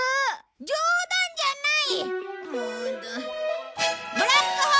冗談じゃない！